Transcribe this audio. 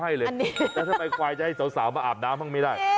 อิจฉาควายละคุณ